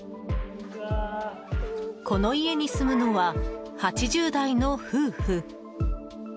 この家に住むのは８０代の夫婦。